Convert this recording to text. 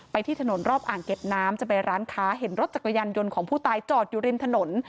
ที่ถนนรอบอ่างเก็บน้ำจะไปร้านค้าเห็นรถจักรยานยนต์ของผู้ตายจอดอยู่ริมถนน